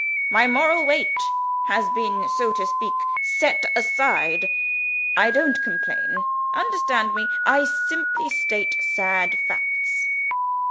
My Moral Weight has been, so to speak, set aside. I don't complain. Understand me I simply state sad facts."